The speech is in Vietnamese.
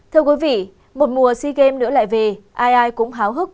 thưa quý vị một mùa sea games nữa lại về ai ai cũng háo hức